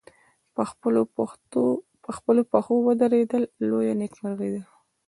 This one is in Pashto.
په خپلو پښو ودرېدل لویه نېکمرغي ده.